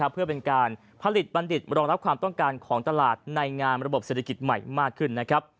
เพื่อเป็นการผลิตบัณฑิตรองรับความต้องการของตลาดในงานระบบเศรษฐกิจใหม่มากขึ้น